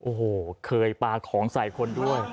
โอ้โหเคยปลาของใส่คนด้วย